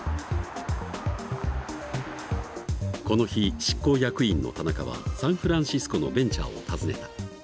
この日執行役員の田中はサンフランシスコのベンチャーを訪ねた。